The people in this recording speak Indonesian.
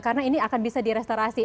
karena ini akan bisa direstorasi